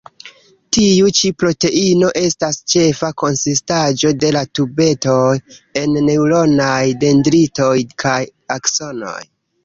Tiu ĉi proteino estas ĉefa konsistaĵo de la tubetoj en neŭronaj dendritoj kaj aksonoj.